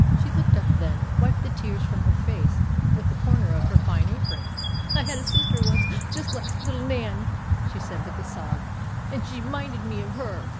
She looked up then, and wiped the tears from her face with the corner of her fine apron. 'I had a sister once, just like little Nan,' she said, with a sob, 'and she minded me of her.